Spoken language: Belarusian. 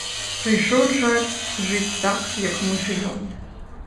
Прыйшоў час жыць так, як мы жывём.